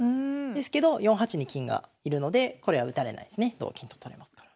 ですけど４八に金が居るのでこれは打たれないですね同金と取れますから。